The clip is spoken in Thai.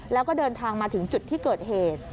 แล้วก็เดินทางมาถึงจุดที่เกิดเหตุ